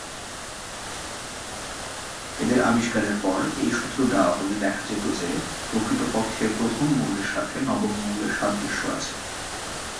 এদের আবিষ্কারের পর এ সূত্র দেওয়া হলে দেখা যেত যে, প্রকৃতপক্ষে প্রথম মৌলের সাথে নবম মৌলের সাদৃশ্য আছে।